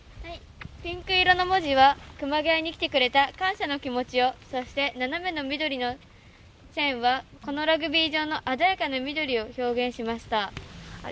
ピンク色の文字は熊谷に来てくれた感謝の気持ちを、そして斜めの緑の線はこのラグビー場の鮮やかな緑を表現しました。